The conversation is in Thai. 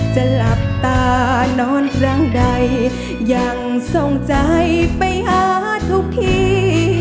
หลับตานอนครั้งใดยังทรงใจไปหาทุกที